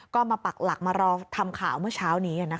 ก็มาปักหลักมารอทำข่าวเมื่อเช้านี้